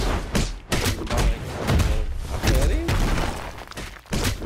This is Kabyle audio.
Gma i tḥemmleḍ axir-iw?